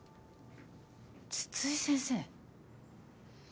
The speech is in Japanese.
津々井先生。